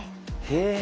へえ。